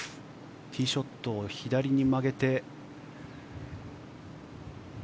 ティーショットを左に曲げて。